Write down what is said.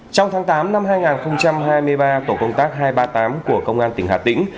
trong tháng tám năm hai nghìn hai mươi ba tổ công tác hai trăm ba mươi tám của công an tỉnh hà tĩnh